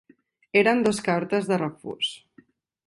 Eren dos cartes de refús.